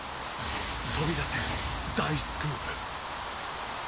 飛び出せ大スクープ！